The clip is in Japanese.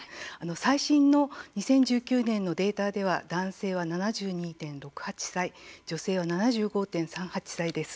最新の２０１９年のデータでは男性は７２．６８歳女性は７５．３８歳です。